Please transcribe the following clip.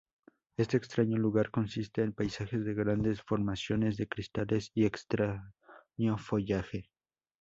Este extraño lugar consiste en paisajes de grandes formaciones de cristales y extraño follaje.